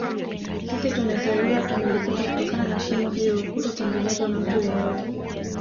Sisi tumezaliwa tumelikuta kutokana na shimo hilo kutotengenezwa na mtu yeyote